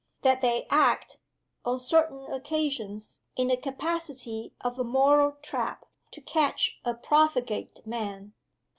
That they act, on certain occasions, in the capacity of a moral trap to catch a profligate man